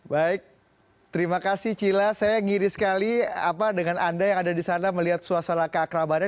baik terima kasih cila saya ngiri sekali dengan anda yang ada di sana melihat suasana keakrabannya